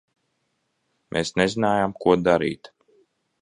Mēs nezinājām, ko darīt.